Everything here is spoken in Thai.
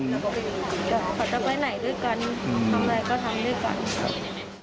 ทำอะไรก็ทำด้วยกัน